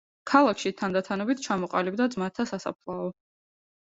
ქალაქში თანდათანობით ჩამოყალიბდა ძმათა სასაფლაო.